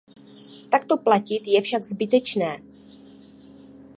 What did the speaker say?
Takto platit je však zbytečné.